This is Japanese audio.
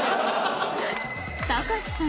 たかしさん